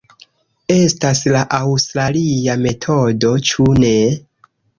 Estas la aŭstralia metodo, ĉu ne?